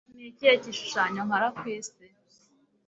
Ni ikihe gishushanyo nkora ku isi